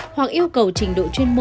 hoặc yêu cầu trình độ chuyên môn